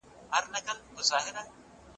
موږ باید ستونزې د ځان د ښخولو لپاره وسیله نه کړو.